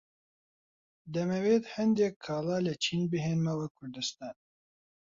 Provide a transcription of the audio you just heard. دەمەوێت هەندێک کاڵا لە چین بهێنمەوە کوردستان.